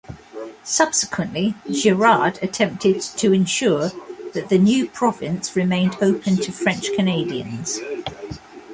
Subsequently, Girard attempted to ensure that the new province remained open to French-Canadians.